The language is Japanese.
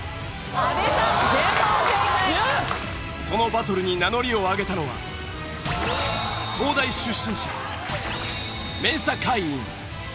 そのバトルに名乗りを上げたのは東大出身者ＭＥＮＳＡ会員